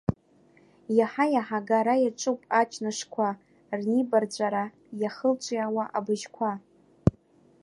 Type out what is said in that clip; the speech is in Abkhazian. Иаҳа-иаҳа агара иаҿуп аҷнышқәа рнибарҵәара иа-хылҿиаауа абыжьқәа.